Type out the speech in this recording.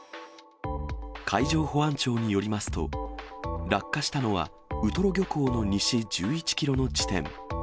海上保安庁によりますと、落下したのは、ウトロ漁港の西１１キロの地点。